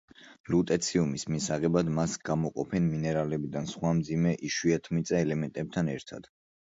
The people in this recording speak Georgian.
ლუტეციუმის მისაღებად მას გამოყოფენ მინერალებიდან სხვა მძიმე იშვიათმიწა ელემენტებთან ერთად.